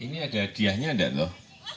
ini ada hadiahnya enggak loh